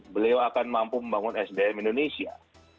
beliau akan mampu membangun sdm indonesia